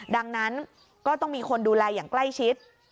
ดังนั้นก็ต้องมีคนดูแลอย่างใกล้ชิด